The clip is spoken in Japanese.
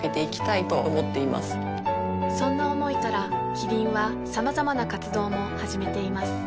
そんな思いからキリンはさまざまな活動も始めています